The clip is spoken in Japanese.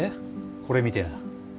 これ見てな。